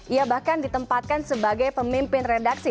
ia bahkan ditempatkan sebagai pemimpin redaksi